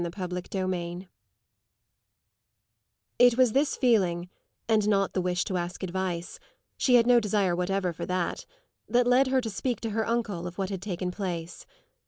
CHAPTER XIII It was this feeling and not the wish to ask advice she had no desire whatever for that that led her to speak to her uncle of what had taken place.